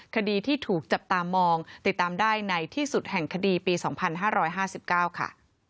คดีที่ถูกจับตามองติดตามได้ในที่สุดแห่งคดีปี๒๕๕๙ค่ะ